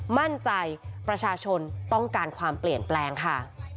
มั่นใจประชาชนต้องการความเปลี่ยนแปลงค่ะ